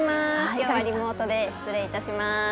きょうはリモートで失礼いたします。